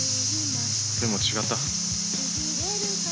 でも違った。